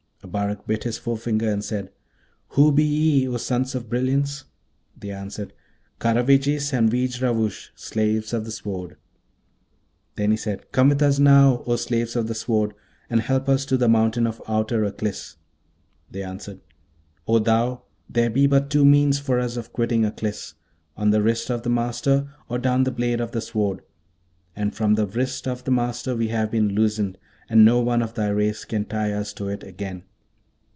Abarak bit his forefinger and said, 'Who be ye, O sons of brilliance?' They answered, 'Karavejis and Veejravoosh, slaves of the Sword.' Then he said, 'Come with us now, O slaves of the Sword, and help us to the mountain of outer Aklis.' They answered, 'O thou, there be but two means for us of quitting Aklis: on the wrist of the Master, or down the blade of the Sword! and from the wrist of the Master we have been loosed, and no one of thy race can tie us to it again.'